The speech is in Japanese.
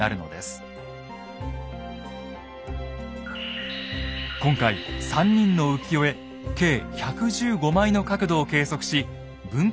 今回３人の浮世絵計１１５枚の角度を計測し分布図を作りました。